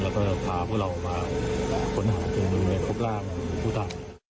แล้วก็พาพวกเรามาฝนหาจริงในครบร่างผู้ตาย